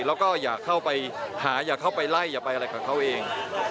แล้วก็อย่าเข้าไปหาอย่าเข้าไปไล่อย่าไปอะไรกับเขาเอง